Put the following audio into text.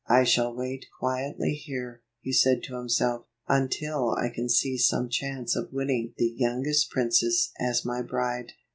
" I shall wait quietly here," he said to himself, "until I can see some chance of winning the youngest princess as my bride."